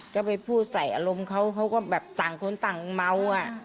ก็ไปพูดใส่อารมณ์เขาเขาก็แบบต่างคนต่างเมาอ่ะ